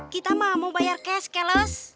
kita mah mau bayar cash chaos